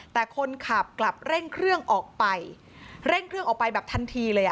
แต่คนขับกลับเร่งเครื่องออกไปเร่งเครื่องออกไปแบบทันทีเลยอ่ะ